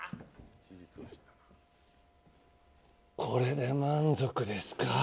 これで満足ですか？